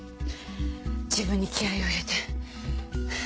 自分に気合を入れてはあ